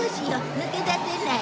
抜け出せない。